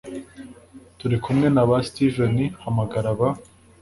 turikumwe naba steven hamagara ba